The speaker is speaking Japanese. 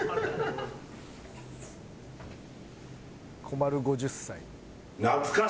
困る５０歳。